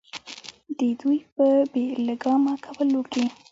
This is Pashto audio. د دوي پۀ بې لګامه کولو کښې